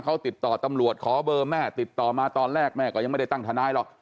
เขาติดต่อตำรวจขอเบอร์แม่ติดต่อมาตอนแรกแม่ก็ยังไม่ได้ตั้งทนายหรอก